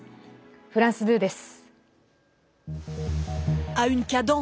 フランス２です。